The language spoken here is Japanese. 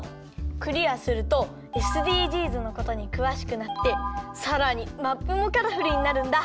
クリアするとＳＤＧｓのことにくわしくなってさらにマップもカラフルになるんだ。